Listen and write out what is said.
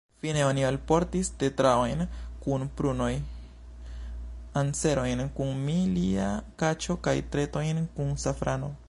Fine oni alportis tetraojn kun prunoj, anserojn kun milia kaĉo kaj tetrojn kun safrano.